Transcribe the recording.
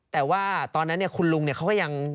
แต่ว่าตอนนั้นคุณลุงเขาก็ยัง